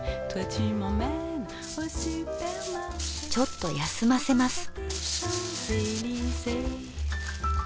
ちょっと休ませます。